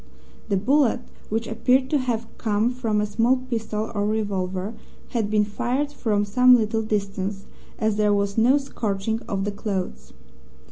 The bullet, which appeared to have come from a small pistol or revolver, had been fired from some little distance, as there was no scorching of the clothes.